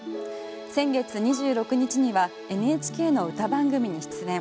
先月２６日にはＮＨＫの歌番組の出演。